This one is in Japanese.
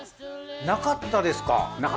なかったですか？